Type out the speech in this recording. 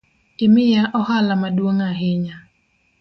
Imiya ohala maduong’ ahinya